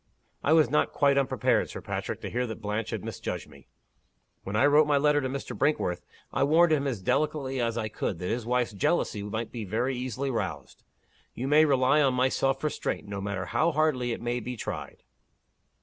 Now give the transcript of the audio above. "I was not quite unprepared, Sir Patrick, to hear that Blanche had misjudged me. When I wrote my letter to Mr. Brinkworth, I warned him as delicately as I could, that his wife's jealousy might be very easily roused. You may rely on my self restraint, no matter how hardly it may be tried.